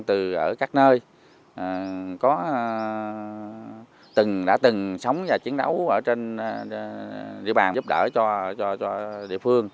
từ ở các nơi đã từng sống và chiến đấu trên địa bàn giúp đỡ cho địa phương